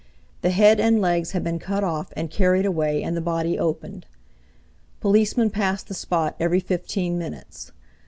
The head and legs had been cut off and carried away and the body opened. Policemen pass the spot every fifteen minutes.